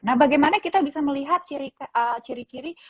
nah bagaimana kita bisa melihat ciri ciri